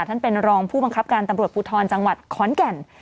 ท่านเป็นรองผู้บังคับการตำรวจภูทรจังหวัดขอนแก่น